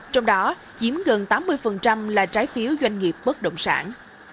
trong đó chiếm gần tám mươi là trái phiếu doanh nghiệp bất động sản